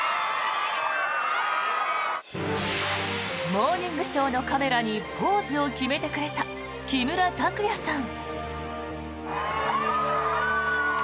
「モーニングショー」のカメラにポーズを決めてくれた木村拓哉さん。